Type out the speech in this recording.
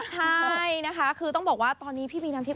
ใช่นะคะคือต้องบอกว่าตอนนี้พี่บีน้ำทิพ